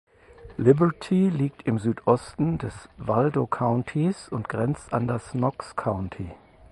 Liberty liegt im Südosten des Waldo Countys und grenzt an das Knox County.